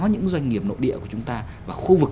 những doanh nghiệp nội địa của chúng ta và khu vực